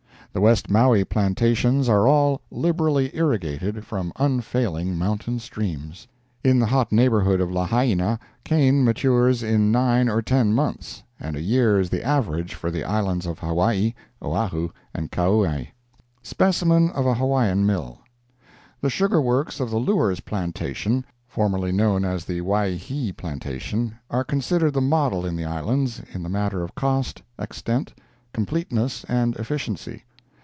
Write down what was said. The West Maui plantations are all liberally irrigated from unfailing mountain streams. In the hot neighborhood of Lahaina cane matures in nine or ten months, and a year is the average for the islands of Hawaii, Oahu and Kauai. SPECIMEN OF A HAWAIIAN MILL The sugar works of the Lewers plantation (formerly known as the Waihee plantation) are considered the model in the Islands, in the matter of cost, extent, completeness and efficiency.